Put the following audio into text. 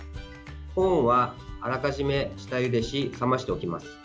コーンは、あらかじめ下ゆでし冷ましておきます。